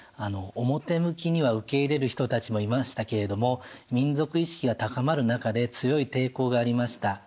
表向きには受け入れる人たちもいましたけれども民族意識が高まる中で強い抵抗がありました。